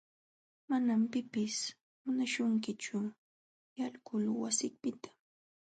Manam pipis munaśhunkichu yalquy wasipiqta.